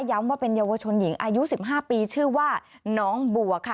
ว่าเป็นเยาวชนหญิงอายุ๑๕ปีชื่อว่าน้องบัวค่ะ